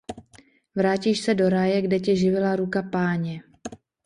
Vrátíš se do ráje, kde tě živila ruka Páně.